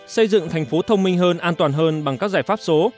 xây dựng thành phố thông minh hơn an toàn hơn bằng các giải pháp số